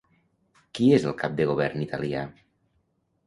Qui és el cap de govern italià?